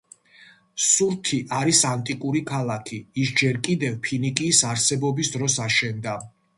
სურთი არის ანტიკური ქალაქი, ის ჯერ კიდევ ფინიკიის არსებობის დროს აშენდა.